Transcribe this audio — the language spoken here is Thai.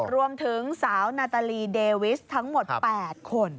รวมถึงสาวนาตาลีเดวิสทั้งหมด๘คน